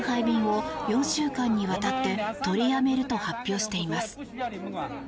便を４週間にわたって取りやめると発表しています。